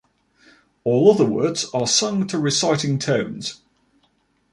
All other words are sung to reciting tones.